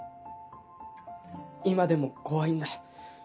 今でも怖いんだ。